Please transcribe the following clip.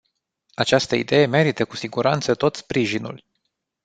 Această idee merită cu siguranță tot sprijinul.